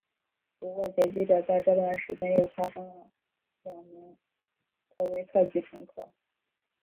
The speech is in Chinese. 不过劫机者在这段时间内又枪杀了两名科威特籍乘客。